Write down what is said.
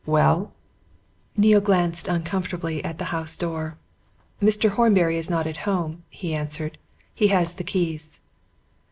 "Well?" Neale glanced uncomfortably at the house door. "Mr. Horbury is not at home," he answered. "He has the keys."